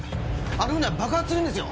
あの船は爆発するんですよ